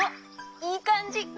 いいかんじ！